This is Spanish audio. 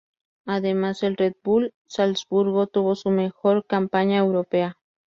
Además, el Red Bull Salzburgo tuvo su mejor campaña europea.